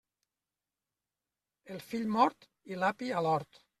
El fill mort i l'api a l'hort.